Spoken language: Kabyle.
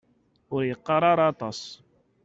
Ur yeqqar ara aṭas.